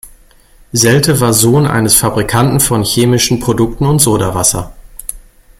Seldte war Sohn eines Fabrikanten von chemischen Produkten und Sodawasser.